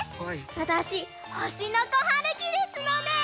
わたしほしのこはるきですので。